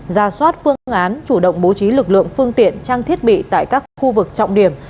ra soát phương án chủ động bố trí lực lượng phương tiện trang thiết bị tại các khu vực trọng điểm